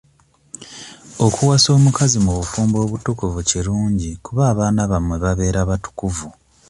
Okuwasa omukazi mu bufumbo obutukuvu kirungi kuba abaana bammwe babeera batukuvu.